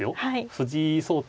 藤井聡太